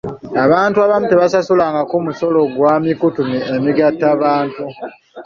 Abantu abamu tebasasulangako musolo gwa mikutu emigattabantu.